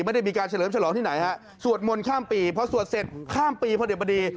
ไม่ได้มีการเฉลิมฉลองที่ไหนฮะสวดมนต์ข้ามปีพอสวดเสร็จข้ามปีพอดี